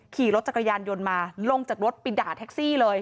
ขี่รถจักรยานยนต์มาลงจากรถไปด่าแท็กซี่เลย